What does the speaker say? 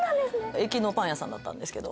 駅のパン屋さんだったんですけど。